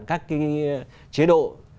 các chế độ